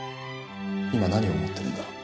今何を思ってるんだろう。